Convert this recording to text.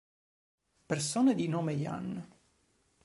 Persone di nome Ian